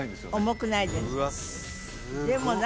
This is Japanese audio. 重くないですうわ